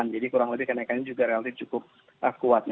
jadi kurang lebih kenaikannya juga relatif cukup kuat